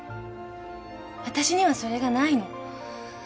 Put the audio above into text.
あたしにはそれがないの。